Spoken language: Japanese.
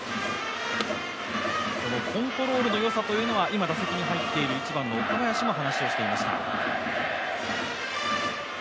このコントロールの良さというのが、今、打席に入っている１番の岡林も話をしていました。